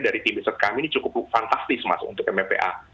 dari tim riset kami ini cukup fantastis mas untuk mppa